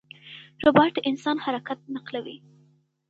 روباټ د انسان حرکت نقلوي.